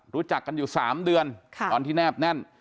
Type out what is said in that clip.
รู้จักกันอยู่๓เดือนตอนที่แนบแน่น